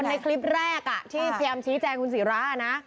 คนในคลิปแรกที่เซียมชินิแจงคุณศิรานะ